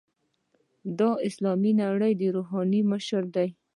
د اسلامي نړۍ روحاني مشر دی.